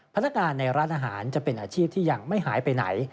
พนักงานในร้านอาหารจะเป็นอาชีพที่ยังไม่หายไปไหน